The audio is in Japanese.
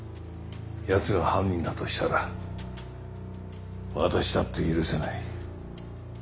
やつが犯人だとしたら私だって許せない。